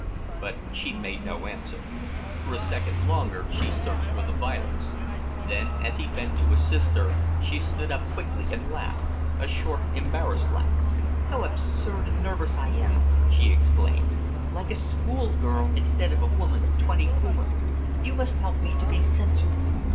But she made no answer. For a second longer she searched for the violets; then, as he bent to assist her, she stood up quickly and laughed a short, embarrassed laugh. "How absurd and nervous I am!" she exclaimed. "Like a schoolgirl instead of a woman of twenty four. You must help me to be sensible."